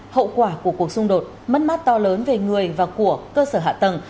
hậu quả của cuộc xung đột mất mát to lớn về người và của cơ sở hạ tầng